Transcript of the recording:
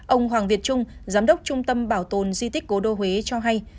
ông hoàng việt trung giám đốc trung tâm bảo tồn di tích cố đô huế cho hay